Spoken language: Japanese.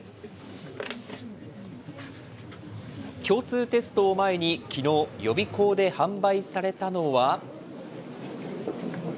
共通テストを前にきのう、予備校で販売されたのは。